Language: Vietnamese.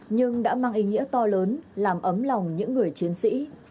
nhưng đã mang ý nghĩa to lớn làm ấm lòng những người chiến sĩ